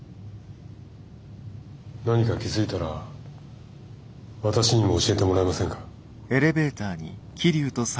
何か気付いたら私にも教えてもらえませんか？